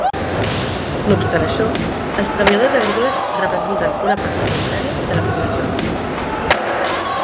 No obstant això els treballadors agrícoles representen una part minoritària de la població activa.